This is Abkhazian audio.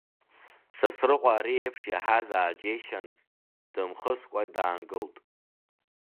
Сасрыҟәа, ари еиԥш иаҳаз ааџьеишьан, дымхыскәа, даангылт.